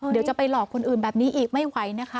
เดี๋ยวจะไปหลอกคนอื่นแบบนี้อีกไม่ไหวนะคะ